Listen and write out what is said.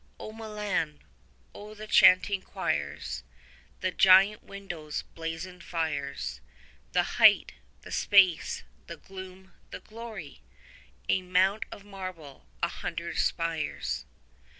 O Milan, O the chanting quires, The giant windows' blazoned fires, The height, the space, the gloom, the glory! A mount of marble, a hundred spires!